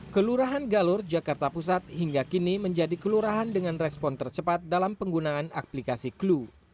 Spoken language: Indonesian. kelurahan galur jakarta pusat hingga kini menjadi kelurahan dengan respon tercepat dalam penggunaan aplikasi clue